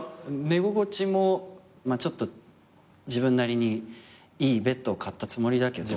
寝心地もまあちょっと自分なりにいいベッドを買ったつもりだけど。